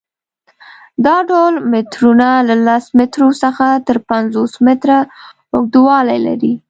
دا ډول مترونه له لس مترو څخه تر پنځوس متره اوږدوالی لري.